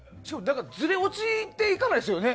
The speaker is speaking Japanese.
ずれ落ちていかないですよね。